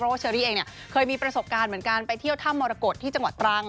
เพราะว่าเชอรี่เองเนี่ยเคยมีประสบการณ์เหมือนกันไปเที่ยวถ้ำมรกฏที่จังหวัดตรัง